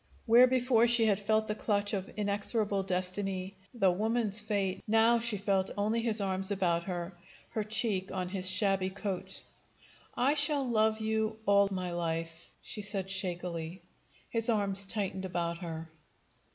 Where before she had felt the clutch of inexorable destiny, the woman's fate, now she felt only his arms about her, her cheek on his shabby coat. "I shall love you all my life," she said shakily. His arms tightened about her.